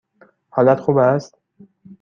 حالت خوب است؟